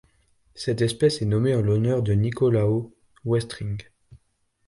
Cette espèce est nommée en l'honneur de Nicolao Westring.